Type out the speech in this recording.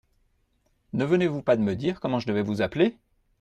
Ne venez-vous pas de me dire comment je devais vous appeler !